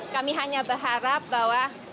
kami hanya berharap bahwa